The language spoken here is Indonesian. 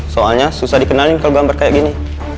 soalnya susah dikenalin kalau gambar kayak gini